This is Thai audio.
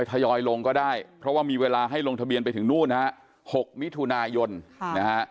ยอยลงก็ได้เพราะว่ามีเวลาให้ลงทะเบียนไปถึงนู่นฮะ๖มิถุนายนนะฮะ